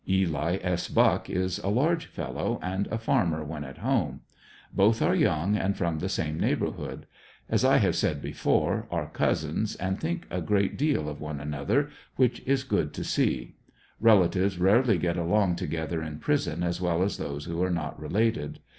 Eli S. Buck is a large fellow, and a farmer when at home. Both are young, and from the same neighborhood. As I have said before, are cousins, and think a great deal of one another, which is good to see. Relatives rarely get along together in prison as well as those who are not related.